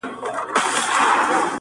د مسجد په منارو درپسې ژاړم~